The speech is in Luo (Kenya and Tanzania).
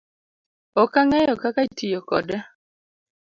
Ok ang'eyo kaka itiyo kode